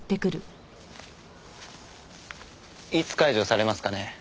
いつ解除されますかね？